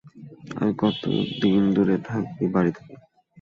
আর কতদিন দূরে থাকবি বাড়ি থেকে?